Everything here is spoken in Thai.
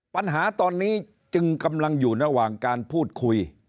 ปัญหาตอนนี้จึงกำลังอยู่ระหว่างการพูดคุย